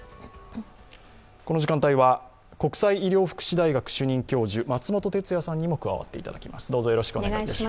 この時間帯は国際医療福祉大学主任教授、松本哲哉さんにも加わっていただきます。